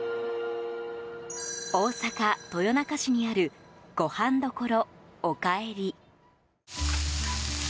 大阪・豊中市にあるごはん処おかえり。